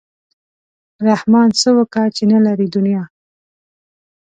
رحمان څه وکا چې نه لري دنیا.